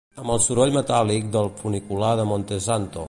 Amb el soroll metàl·lic del funicular de Montesanto.